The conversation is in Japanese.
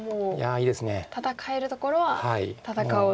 戦えるところは戦おうと。